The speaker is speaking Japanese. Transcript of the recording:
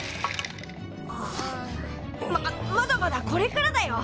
ままだまだこれからだよ！